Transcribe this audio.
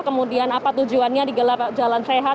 kemudian apa tujuannya digelar jalan sehat